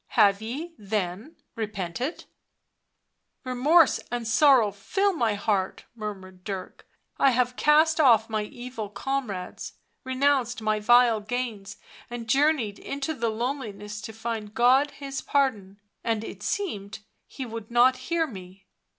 " Have ye, then, repented ?" li Remorse and sorrow fill my heart," murmured Dirk. " I have cast off 'my evil comrades, renounced my vile gains and journeyed into the loneliness to find God His pardon ... and it seemed He would not hear me.